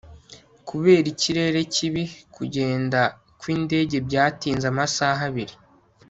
kubera ikirere kibi, kugenda kwindege byatinze amasaha abiri